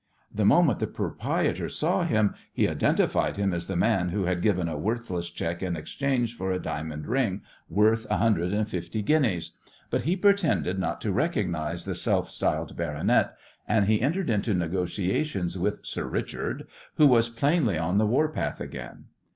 The moment the proprietor saw him he identified him as the man who had given a worthless cheque in exchange for a diamond ring worth a hundred and fifty guineas, but he pretended not to recognize the self styled "baronet," and he entered into negotiations with "Sir Richard," who was plainly on the warpath again.